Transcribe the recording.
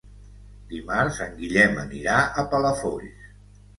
Dimarts en Guillem anirà a Palafolls.